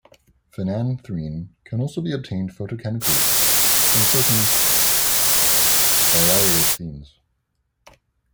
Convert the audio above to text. Phenanthrene can also be obtained photochemically from certain diarylethenes.